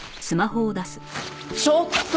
ちょっと！